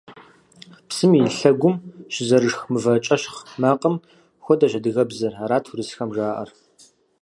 Псым и лъэгум щызэрышх мывэ кӏэщхъ макъым хуэдэщ адыгэбзэр – арат урысхэм жаӏэр.